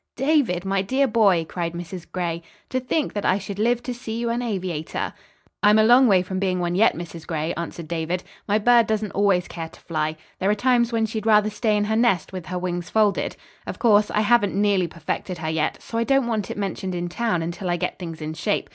"David, my dear boy," cried Mrs. Gray. "To think that I should live to see you an aviator!" "I'm a long way from being one, yet, Mrs. Gray," answered David. "My bird doesn't always care to fly. There are times when she'd rather stay in her nest with her wings folded. Of course, I haven't nearly perfected her yet, so I don't want it mentioned in town until I get things in shape.